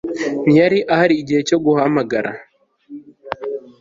Ntiyari ahari igihe cyo guhamagara